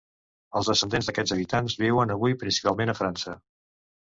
Els descendents d'aquests habitants viuen avui principalment a França.